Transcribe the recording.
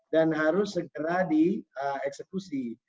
dan harus segera dieksekusi